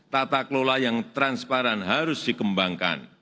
tata kelola yang transparan harus dikembangkan